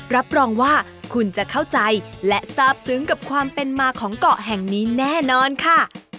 รับรองว่าคุณจะเข้าใจและทราบซึ้งกับความเป็นมาของเกาะแห่งนี้แน่นอนค่ะ